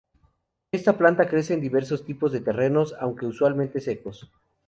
Esta planta crece en diversos tipos de terrenos, aunque usualmente secos.